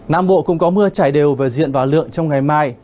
nam bộ cũng có mưa trải đều về diện và lượng trong ngày mai